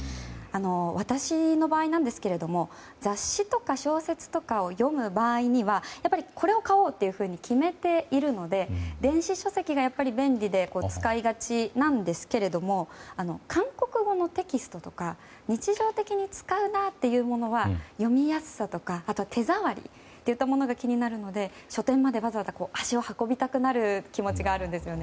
私の場合なんですが雑誌とか小説とかを読む場合にはやっぱりこれを買おうと決めているので電子書籍がやっぱり便利で使いがちなんですが韓国語のテキストとか日常的に使うなというものは読みやすさとかあとは手触りが気になるので書店までわざわざ足を運びたくなる気持ちがあるんですね。